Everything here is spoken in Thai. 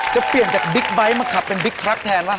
จะเปลี่ยนจากบิ๊กไบท์มาขับเป็นบิ๊กทรัคแทนว่า